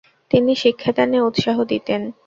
তিনি শিক্ষাদানে উৎসাহ দিতেন।